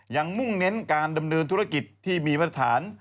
มุ่งเน้นการดำเนินธุรกิจที่มีมาตรฐาน